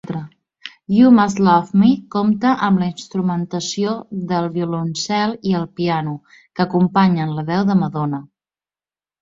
"You Must Love Me" compta amb la instrumentació del violoncel i el piano, que acompanyen la veu de Madonna.